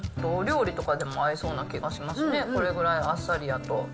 お料理とかでも合いそうな気がしますね、これぐらいあっさりやと。